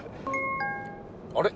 あれ？